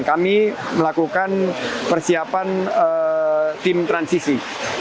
kami melakukan persiapan tim transisi